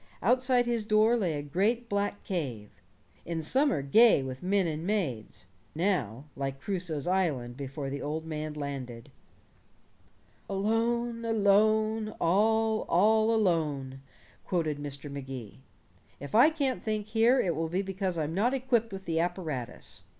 Outside his door lay a great black cave in summer gay with men and maids now like Crusoe's island before the old man landed. "Alone, alone, all, all alone," quoted Mr. Magee. "If I can't think here it will be because I'm not equipped with the apparatus.